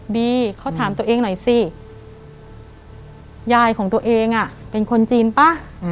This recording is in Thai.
บีเขาถามตัวเองหน่อยสิยายของตัวเองเป็นคนจีนป่ะ